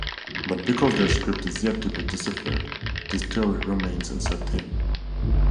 But because their script is yet to be deciphered, this theory remains uncertain.